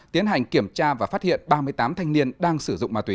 tiến hành kiểm tra và phát hiện ba mươi tám thanh niên đang sử dụng ma túy